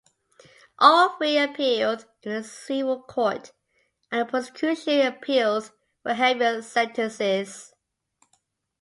All three appealed in a civil court, and the prosecution appealed for heavier sentences.